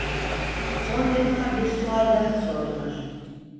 Son defa bir sual daha sordular.